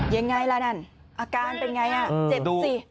ยังไงล่ะนั่นอาการเป็นไงเจ็บสิ